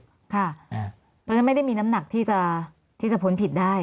เพราะฉะนั้นไม่ได้มีน้ำหนักที่จะพ้นผิดได้